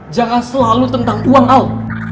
jangan selalu tentang uang al